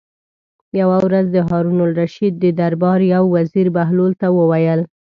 یوه ورځ د هارون الرشید د دربار یو وزیر بهلول ته وویل.